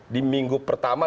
di minggu pertama